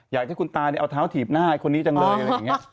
อยากให้คุณตาเนี่ยเอาเท้าถีบหน้าไอคนนี้จังเลยอะไรอย่างนี้